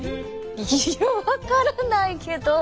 いや分からないけど。